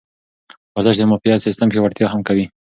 ورزش د معافیت سیستم پیاوړتیا هم کوي.